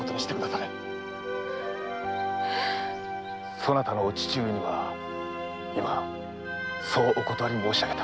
⁉そなたのお父上には今そうお断り申し上げた。